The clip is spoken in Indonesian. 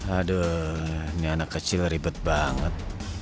aduh ini anak kecil ribet banget